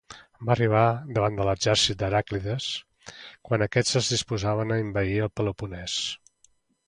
Va arribar davant de l'exèrcit dels Heràclides quan aquests es disposaven a envair el Peloponès.